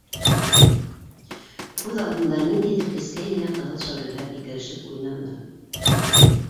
Күҙ алдында ниндәйҙер кескәй генә ҡыҙыл шәүләләр һикерешеп уйнаны.